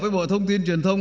các bộ thông tin truyền thông